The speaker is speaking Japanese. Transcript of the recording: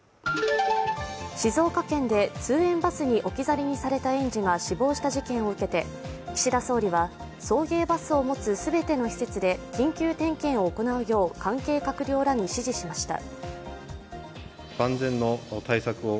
静岡県で通園バスに置き去りにされた園児が死亡した事件を受けて岸田総理は、送迎バスを持つ全ての施設で緊急点検を行うよう関係閣僚らに指示しました。